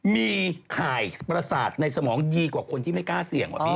มีข่ายประสาทในสมองดีกว่าคนที่ไม่กล้าเสี่ยงว่ะพี่